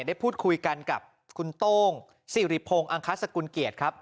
ได้พูดคุยกันกับคุณโต้งสิริพงศ์อังคสกุลเกียรติครับ